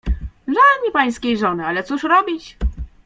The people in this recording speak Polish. "Żal mi pańskiej żony, ale cóż robić?"